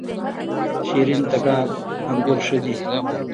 شیرین تګاب انګور ښه دي؟